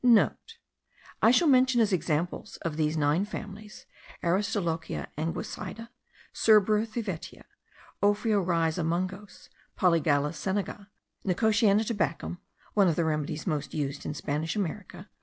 (* I shall mention as examples of these nine families; Aristolochia anguicida, Cerbera thevetia, Ophoiorhiza mungos, Polygala senega, Nicotiana tabacum, (One of the remedies most used in Spanish America).